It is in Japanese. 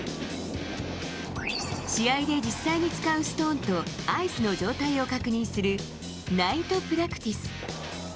試合で実際に使うストーンとアイスの状態を確認する、ナイトプラクティス。